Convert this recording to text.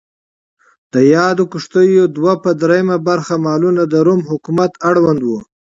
د یادو کښتیو دوه پر درېیمه برخه مالونه د روم حکومت اړوند و.